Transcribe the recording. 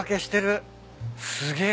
すげえ。